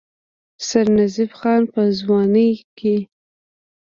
سرنزېب خان پۀ ځوانۍ کښې